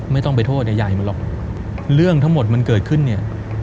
ไม่ต้องไปโทษใหญ่ใหญ่มันหรอกเรื่องทั้งหมดมันเกิดขึ้นเนี่ย